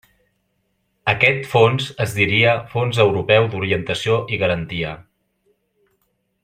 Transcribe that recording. Aquest fons es diria Fons Europeu d'Orientació i Garantia.